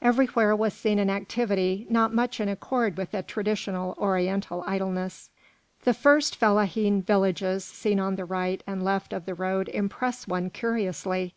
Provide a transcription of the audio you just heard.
Everywhere was seen an activity not much in accord with the traditional Oriental idleness. The first fellahin villages seen on the right and left of the road impress one curiously.